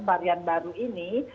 varian baru ini